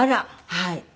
はい。